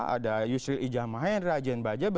ada yusril ijammah yang dirajikan bajab